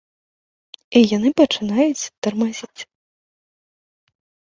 І яны пачынаюць тармазіць.